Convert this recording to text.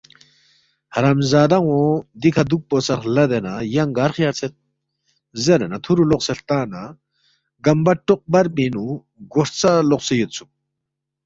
حرام زادانُو دیکھہ دُوکپو سہ خلدے نہ ینگ گار خیارسید؟ زیرے نہ تُھورُو لوقسے ہلتا نہ گمبہ ٹوق بر پِنگ نُو گو ہرژا لوقسے یودسُوک